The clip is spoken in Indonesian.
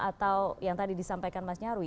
atau yang tadi disampaikan mas nyarwi